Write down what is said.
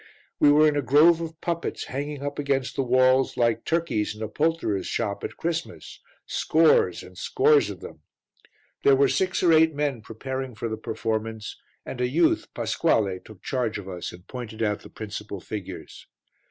We were in a grove of puppets hanging up against the walls like turkeys in a poulterer's shop at Christmas scores and scores of them. There were six or eight men preparing for the performance and a youth, Pasquale, took charge of us and pointed out the principal figures.